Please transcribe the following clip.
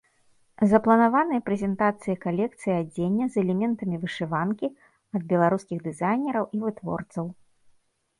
Запланаваныя прэзентацыі калекцыі адзення з элементамі вышыванкі ад беларускіх дызайнераў і вытворцаў.